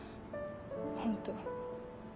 ホント。